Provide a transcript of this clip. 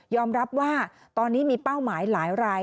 รับว่าตอนนี้มีเป้าหมายหลายราย